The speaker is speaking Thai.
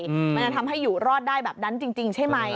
มันจะทำให้อยู่รอดได้แบบนั้นจริงใช่ไหม